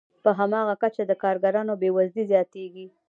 په هماغه کچه د کارګرانو بې وزلي زیاتېږي